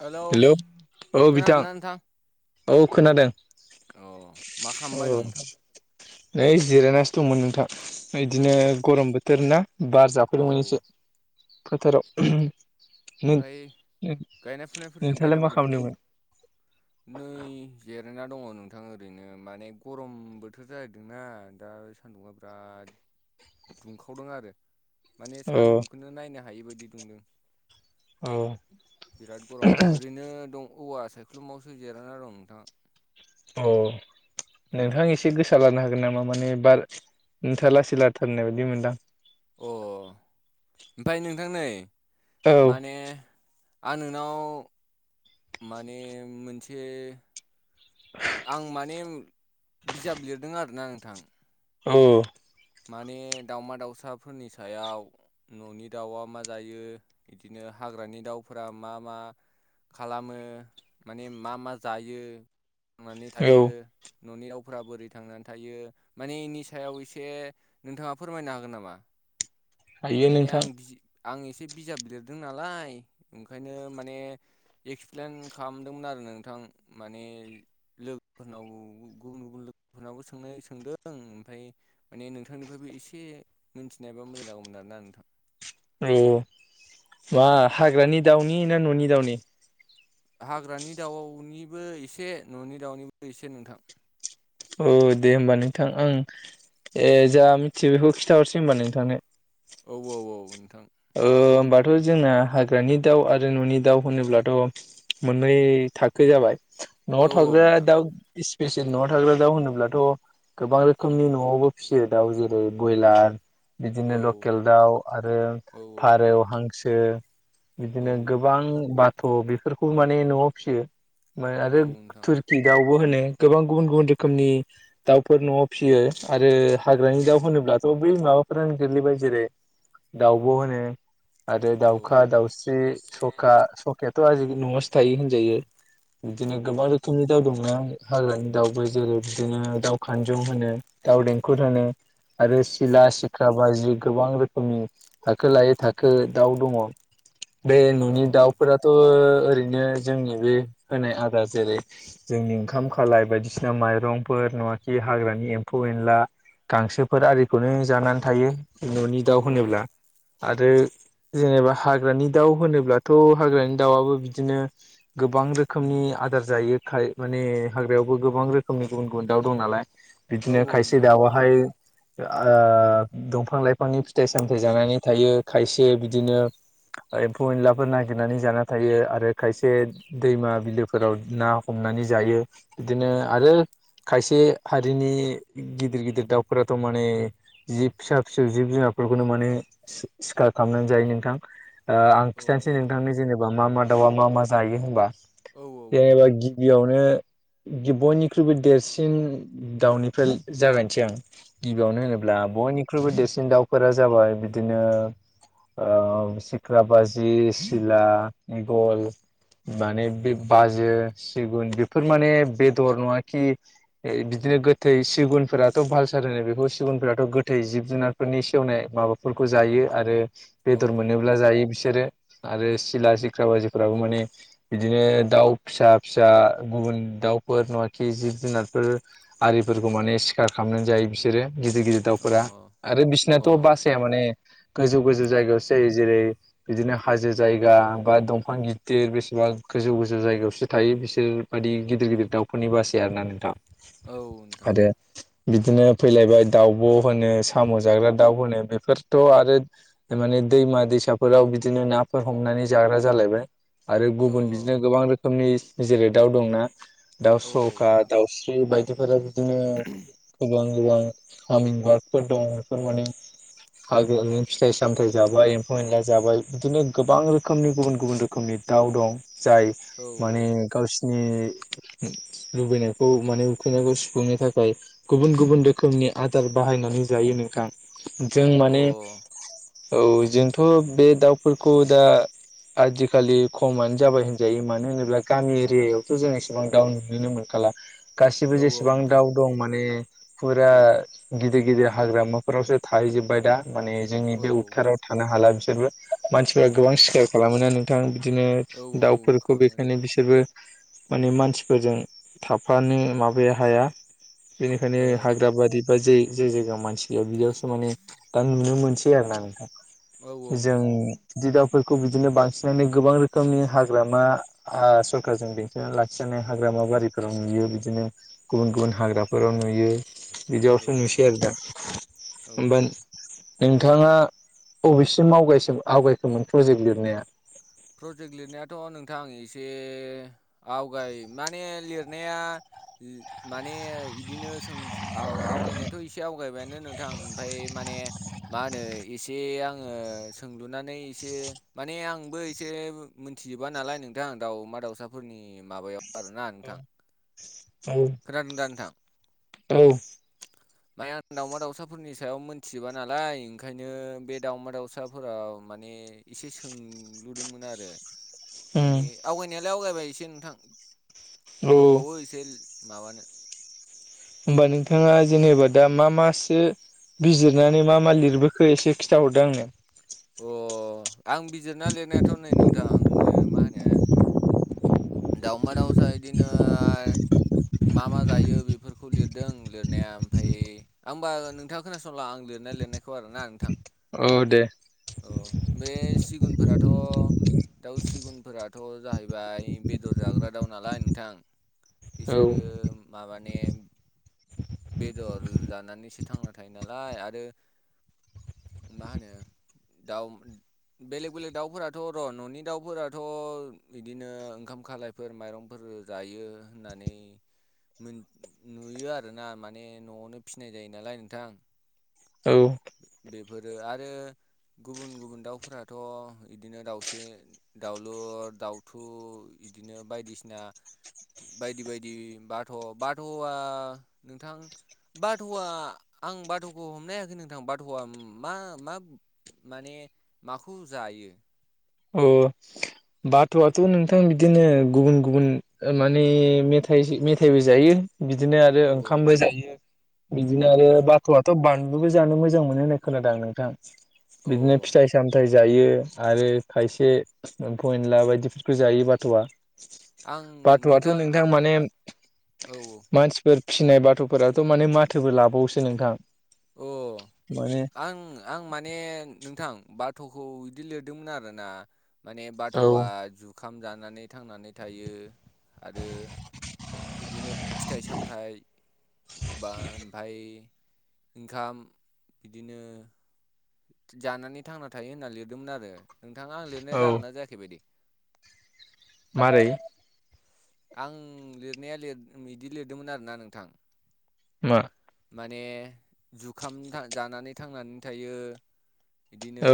Hello औ बिथां खोनादों ना नोथां? औ खोनादों अ मा खालामबाय दं नोंथां? ओइ जिरायनासो दंमोन नोंथां औ बिदिनो गरम बोथोर ना बार औ जाफैदोंमोन एसे फोथाराव नों ओमफ्राय नों गायनाय फुनायफोर जोब्बाय नोंथाङालाय नामा मा नोंथां खालामदोंमोन? नै जेब रायना दङ नोंथां ओरैनो माने गरम बोथोर जाहदोंना दा सानदुंङा बिराद दुंखावदों आरो माने अ सानदुंखौ नायनो हायि बायदि दुंदों औ बिराद गरम ओरैनो दं औवा सायख्लुमावसो जेरायना दं नोंथां। अ अ नोंथां एसे गोसा लानो हागोन गोन नामा माने बार नथा लासै लाथारनाय बायदि मोनदां अ ओमफाय नोंथां नै औ माने आं नोंनाव माने मोनसे आं माने बिजाब लिरदों आरोना नोंथां औ माने दाउमा दाउसाफोरनि सायाव ननि दाउआ मा जायो बिदिनो हाग्रानि दाउफोरा मा मा खालामो माने मा मा जायो थांनानै औ थायो ननि दाउफोरा बोरै थांनानै थायो माने इनि सायाव एसे नोंथाङा फोरमायनो हागोन नामा हायो माने नोंथां आं [unintelligible] आं एसे बिजाब लिरदों नालाय ओंखायनो माने एक्सप्लेन खालामदोंमोन आरो नोंथां माने लोगोफोरनाव गुबुन गुबुन लोगोफोरनावबो सोंनाय सोंदों ओमफ्राय माने नोंथांनिफ्रायबो एसे मोनथिनायबा मोजां जागौमोन आरोना नोंथां औ मा हाग्रानि दाउनि ना ननि दाउनि हाग्रानि दाउनिबो एसे ननि दाउनिबो एसे नोंथां औ दे होमबा नोंथां आं ए जा मिथियो बेखौ खिन्थाहरसै होमबा नोंथांनो औ औ औ नोंथां ओ होमबाथ' जोंना हाग्रानि दाउ आरो ननि दाउ होनोब्लाथ' मोननै थाखो जाबाय न'आव औ औ थाग्राया नोंथां दाउ बेसे न'आव थाग्रा दाउ होनोब्लाथ' गोबां रोखोमनि न'आवबो फिसियो दाउ जेरै ब्रयलार बिदिनो औ लकेल दाउ आरो औ फारौ हांसो बिदिनो औ गोबां बाथ' बेफोरखौ माने न'आव फियो आरो औ नोंथां थुरकि दाउ बो होनो गोबां गुबुन गुबुन रोखोमनि दाउफोर न'आव फिसियो आरो हाग्रानि दाउ होनोब्लाथ' माबाफोर गोलैबाय जेरै दाउ ब' होनो आरो औ अ औ दाउखा दाउस्रि सखा सखायाथ' आजिखालि न'आवसो थायो होनजायो बिदिनो गोबां रोखोमनि दाउ दंना हाग्रानि दाउबो जेरै बिदिनो दाउ खानजं होनो दाउ देंखुद होनो आरो सिला सिख्रा बाजि गोबां रोखोमनि थाखो लायै थाखो दाउ दङ बे ननि दाउफोराथ' ओरै नो जोंनि बे होनाय आदार जेरै जोंनि ओंखाम खालाय बायदिसिना माइरंफोर नङाखि हाग्रानि एम्फौ एनला गांसोफोर आरिखौनो जानानै थायो ननि दाउ होनोब्ला आरो जेनेबा हाग्रानि दाउ होनोब्लाथ' हाग्रानि दाउआबो बिदिनो गोब गोबां रोखोमनि आदार जायो खाय माने हाग्रायावबो गोबां रोखोमनि गुबुन गुबुन दाउ दं नालाय औ बिदिनो औ खायसे नोंथां दाउआहाय ओ दंफां लाइफांनि फिथाइ सामथाय जानानै थायो खायसे बिदिनो एम्फौ एनलाफोर नागिरनानै जाना थायो आरो खायसे दैमा बिलोफोराव ना हम नानै जायो बिदिनो आरो खायसे हारिनि गिदिर गिदिर दाउफोराथ' माने जिब फिसा फिसौ जिब जुनार फोरखौनो माने सि-सिखार खालामनानै जायो नोंथां ओ आं अ खिथानोसै नोंथांनो जेनेबा मा मा दाउआ मा मा जायो होनबा औ नोंथां जेनेबा औ गिबियावनो बयनिख्रुइबो देरसिन दाउनिफ्राय जागायनसै आं गिबियावनो होनोब्ला बयनिख्रुइबो देरसिन दाउफोरा जाबाय बिदिनो ओ सिख्रा बाजि सिला औ इगल माने बे बाजो सिगुन बेफोर माने बेदर नङाखि बिदिनो गोथै सिगुनफोराथ' भालसार होनो बेखौ सिगुनफोराथ' गोथै जिब जुनारफोरनि सेवनाय माबा फोरखौ जायो आरो औ बेदर मोनोब्ला जायो बिसोर बिसोरो आरो सिला सिख्रा बाजिफोराबो माने बिदिनो दाउ फिसा फिसा गुबुन दाउफोर नङाखि जिब जुनारफोर आरिफोरखौ माने सिखार खालामनानै जायो बिसोरो गिदिर गिदिर अ दाउफोरा आरो अ बिसिनाथ' बासा या माने गोजौ गोजौ जायगायावसो जायो जेरै बिदिनो हाजो जायगा बा दंफां गि गिदेर बेसेबां गोजौ गोजौ जायगायावसो थायो बिसोर बाददि गिदिर गिदिर दाउफोरनि बासै आरोना नोंथां। औ नोंथां औ। आरो बिदिनो फैलायबाय दाउब' होनो साम' जाग्रा दाउ होनो बे फोरथ' आरो माने दैमा दैसाफोराव बिदिनो नाफोर हमनानै जाग्रा जालायबाय आरो औ गुबुन बिदिनो गोबां रोखोमनि जेरे दाव दंना दाउ अ औ औ सखा नोंथां दाउस्रि बायदिफोरा बिदिनो गोबां गोबां आमिन बार्क फोर दं बेफोर माने हागो फिथाइ सामथायाइ जाबाय एम्फौ एनला जाबाय बिदिनो गोबां रोखोमनि गुबुन गुबुन रोखोमनि दाव दं जाय औ औ मानि गावसिनि लुबैनायखौ माने उखैनायखौ सुफुंनो थाखाय गुबुन गुबुन रोखोमनि आदार बाहायनानै जायो नोंथां जों अ माने औ जोंथ' बे दाउफोरखौ दा। आजिखालि खमानो जाबाय होनजायो मानो होनोब्ला गामि एरियायावथ' जों इसेबां दाउ नुनो मोनखाग ला गासिबो औ औ जेसेबां नोंथां दाउ दं माने फुरा गिदिर गिदिर हाग्रामाफोरावसो था थाहैजोबबाय दा माने जोंनि औ औ बे उदखाराराव थानो हाला बिसोरबो। मानसिफोरा औ गोबां सिखार खालामोना नोंथां बिदिनो औ औ दाउफोरखौ खालामो बेखायनो नोंथां बिसोरबो। माने मानसिफोरजों थाफानो माबाया हाया। बेनिखायनो ओ हाग्रा बारि बा जे जे जायगाव मानसि गैया बिदियावसो। उम दा नुनो मोनसै आरोना नोंथां औ औ जों नोंथां बिादि दाव। फोरखौ बिदिनो बांसिननानो गोबां रोखोमनि हाग्रामा आ सरखारजों बेंथिना लाखिजानाय हाग्रा नबारिफ्राव नुयो बिदिनो गुबुन गुबुन हाग्राफोराव नुयो। बिदियावसो नुसै औ आरो दा औ होमबा नोंथाङा अबेसिम आवगायसेम आवगायखोमोन प्रजेक्ट लिरनाया? प्रजेक्ट लिरनायाथ' नोंथां एसे आवगाय माने लिरनाया। माने इदिनो सों आव आवगायनायाथ' एसे आवगायबायानो नोंथां ओमफाय माने मा होनो एसे आङो सोंलुनानै एसे माने आंबो एसे मिनथिजोबा नालाय नोंथां दाउमा दाउसाफोरनि माबायाव आरोना नोंथां। खोनादों दा नोंथां औ औ। माने आं दावमा दाउसाफोरनि सायाव मोनथिजोबा नालाय ओंखायनो बे दाउमा दाउसाफोराव माने ने इसे सोंलुदोंमोन आरो उम माने आवगायनायालाय आवगायबाय एसे नोंथां औ दंबावो एसे। माबानो होमबा नोंथाङा जेनेबा दा मा मासो बिजिरनानै मा मा लिरबोखो एसे खिथाहरदो आंनो अ आं बिजिरना लिरनायाथ' नै नोंथां ओ माहोनो दाउमा दावसा इदिनो मा मा जायो बेफोरखौ लिरदों लिरनाया ओमफाय हमबा नोंथाङा खोनासंला आं लिरनाय लिर नायखौ आरो ना नोंथां। औ दे। औ बे सिगुनफोराथ' दाउ सिगुनफोराथ' जाहैबाय बेदर जाग्रा दाउ नालाय नोंथां। औ बिसोरो माबाने बेदर जानानै सो थांना थायो नालाय आरो मा होनो दाउ बेलेग बेलेग दाउफोराथ' र' न'नि दाउफोराथ' बिदिनो ओंखाम खालायफोर माइरंफोर जायो होननानै नुयो आरोना माने न'आवनो फिनाय जायो नालाय नोंथां। औ। बेफोरो आरो गुबुन गुबुन दाउफोराथ' बिदिनो दाउस्रि दाउलुर दाउथु बिदिनो बायदिसिना। बायदि बायदि बाथ' बाथ'आ नोंथां। बाथ'आ आं बाथ'खौ हमनो हायाखै नोंथां बाथ'आ मा मा? माने माखौ जायो? औ। बाथ'आथ' नोंथां बिदिनो गुबुन गुबुन माने मेथाइ मेथाइबो जायो। बिदिनो आरो औ ओंखामबो जायो बिदिनो औ आरो बाथ'आथ' बान बो जानो मोजां मोनो होननाय खोनादों आं नोंथां औ बिदिनो फिथाइ सामथाइ जायो आरो। खायसे एम्फौ एनला बायदिफोरखौ जायो बाथ'आ। आं बाथ'आथ' नोंथां आ- माने औ मानसिफोर। फिसिनाय बाथ'फोराथ' माने माथोबो लाबावोसो नोंथां अ माने आं आं माने नोंथां बाथ'खौ बिदि लिरदोंमोन आर ना माने औ बाथ'आ जु ओंखाम जानानै थांनानै थायो आरो बिदिनो फिथाइ सामथाय बा ओमफफ्राय ओंखाम बिदिनो जानानै थांना थायो होनना लिरदोंमोन आरो नोंथाङा आं लिरनाया औ जागोन न जायाखैबायदि मारै? आं लिरनाया बिदि लिरदोंमोन आरोना नोंथां। मा? माने जुखाम जानानै थांनानै थायो। बिदिनो औ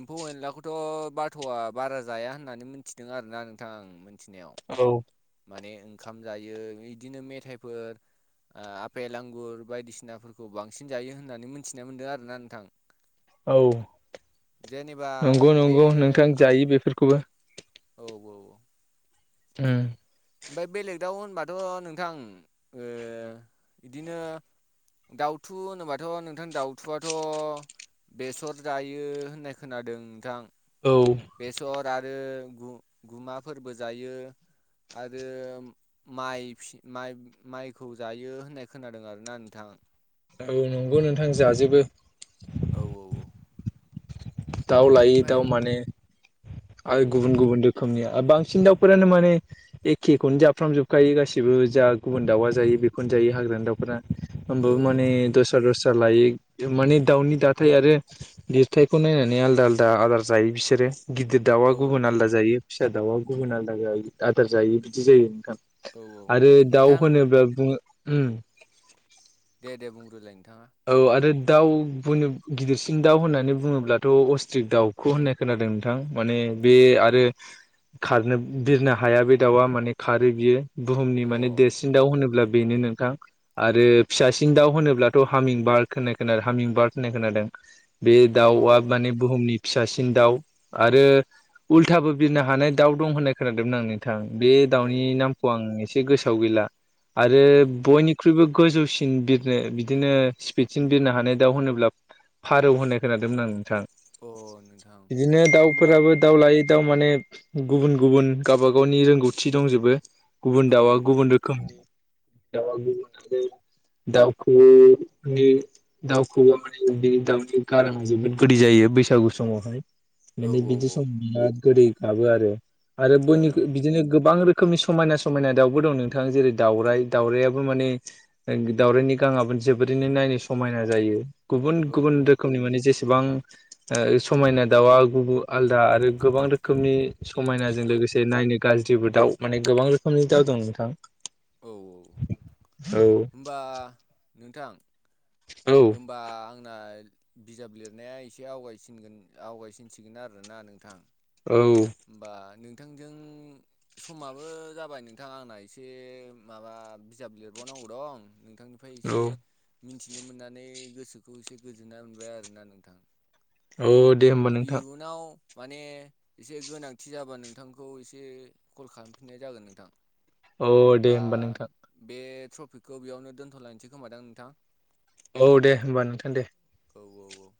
एम्फौ एनलाखौथ' बाथ'आ बारा जाया होननानै मिथिदों आरोना नोंथां आं मिथिनायाव औ माने ओंखाम जायो इदिनो मेथाइफोर आपेल आंगुर बायदिसिनाफोरखौ बांसिन जायो होननानै मिथिना मोन्दों आरोना नोंथां औ जेनेबा नंगौ बे नंगौ नोंथां आ जायो बेफोरखौबो औ औ [inaudible] ओमफ्राय बेलेग दाव होनबाथ' नोंथां बिदिनो दाउथु होनोबाथ' नोंथां दाउथुआथ' बेसर जायो होननाय खोनादों नोंथां औ बेसर गुमाफोरबो जायो। आरो माइ माइखौ जायो होननाय खोनादों आरोना नोंथां औ नंगौ नोंथां जाजोबो औ औ औ दाउ लायै दाउ बेनिफ्राय माने औ आरो गुबुन गुबुन रोखोमनिया बांसिन दाउफोरानो माने एखेखौनो जाफ्रामजोबखायो गासिबो जा गुबुन दाउआ जायो। बेखौनो जायो हाग्रा दाफोरा औ होमबाबो माने दस दस लायो माने दाउनि दाथाय आरो लिरथायखौ नायनानै आलदा आलदा आदार जायो बिसोरो गिदिर दाउआ औ गुबुन औ आलादा जायो फिसा दाउआ गुबुन आलादा जायो आदार जायो बिदि जायो नोंथां। औ औ आरो दाउ नोंथां होनोब्ला औ [unintelligible] दे दे बुंग्रोलाय नोंथाङा औ आरो दाउ बनो गिदिरसिन दाउ होननानै बुङोब्लाथ' अस्ट्रिक दाउखौ होननाय खोनादों नोंथां माने बे आरो खारनो बिरनो हाया बे दाउआ माने खारो बियो बुहुमनि अ माने देरसिन दाउ होनोब्ला बेनो नोंथां आरो फिसासिन दाउ होनोब्लाथ' हामिं बार्क होननाय खोनादों हामिं बार्क होननाय खोनादों बे औ दाउआ माने बुहुमनि फिसासिन दाउ आरो उल्थाबो बिरनो हानाय दाउ दं होननाय खोनादोंमोन आं नोंथां बे औ दाउनि नामखौ आं एसे गोसोआव गैला आरो औ औ बयनिख्रुइबो गोजौसिन बिरनो बि बिदिनो स्पिडसिन बिरनो हानाय दाउ होनोब्ला फारौ होननाय खोनादोंमोन आं नोंथां अ नोंथां बिदिनो होमबा दाउफोराबो दाउ लायो। दा माने गुबुन गुबुन गावबागावनि रोंगौथि दंजोबो गुबुन औ दाउआ गुबुन रोखोमनि [inaudible] दाउखौवौया माने बे दाउनि गारामा जोबोद गददि जायो बैसागु समावहाय औ माने बिदि ओ सम बिराद गोदै गाबो आरो आरो बयनि बिदिनो गोबां रोखोम रोखोमनि समायना समायना दाउबो दं नोंथां जेरै दाउरराय दाउरायाबो माने दाउरायनि सिगाङाबो जोबोरैनो नायनो समायना जायो गुबुन औ गुबुन रोखोमनि माने जेसेबां समायना दाउआ गुब आलदा आरो गोबां रोखोम खोमनि समायनाजों लोगोसे नायनो गाज्रिबो दाउ माने गोबां रोखोमनि दाउ दं नोंथां। औ औ औ होनबा नोंथां। औ ओमबा आंनायलद। बिजाब लिरनाया एसे आवगायसिनगोन आवगायसिनसिगोन आरोना नोंथां। औ ओमबा नों नोंथांजों समाबो जाबाय नोंथां आंना एसे माबा बिजाब लिरबावनांग अबाव दं नोंथांनिफ्राय एसे। औ मिनथिनो मोन्नानै गोसोखौ एसे गोजोन्नाय मोनबाय आरोना नोंथां। औ दे होमबा नोंथां। इयुनाव माने एसे गोनांथि जाबा नोंथांखौ एसे कल खालामफिन्नाय जागोन नोंथां। औ दे होमबा नोंथां। ट्रफिकखौ बेयावनो दोन्थ'लायनोसै खोमादां नोंथां। औ दे होमबा नोंथां दे। औ औ औ।